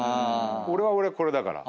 俺は俺これだから。